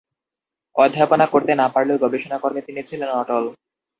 অধ্যাপনা করতে না পারলেও গবেষণা কর্মে তিনি ছিলেন অটল।